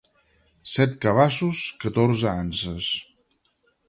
Set cabassos, catorze anses.